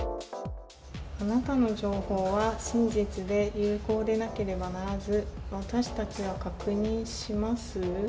あなたの情報は真実で有効でなければならず、私たちは確認します。